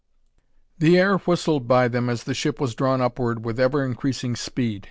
The air whistled by them as the ship was drawn upward with ever increasing speed.